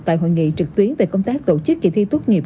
tại hội nghị trực tuyến về công tác tổ chức kỳ thi tốt nghiệp